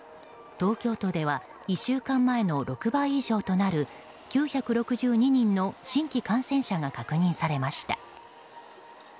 東京都では１週間前の６倍以上となる９６２人の新規感染者が確認されました。